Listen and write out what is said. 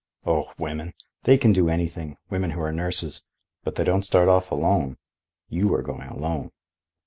"Oh, women! they can do anything—women who are nurses. But they don't start off alone. You are going alone."